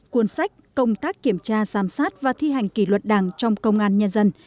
cuốn sách công tác kiểm tra giám sát và thi hành kỷ luật đảng trong công an nhân dân